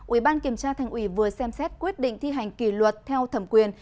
ủy ban kiểm tra thành ủy vừa xem xét quyết định thi hành kỷ luật theo thẩm quyền